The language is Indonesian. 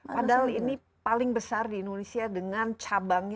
padahal ini paling besar di indonesia dengan cabangnya